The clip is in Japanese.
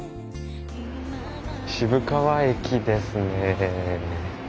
渋川駅ですね。